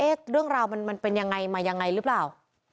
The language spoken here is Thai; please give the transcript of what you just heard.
เรื่องราวมันเป็นยังไงมายังไงหรือเปล่า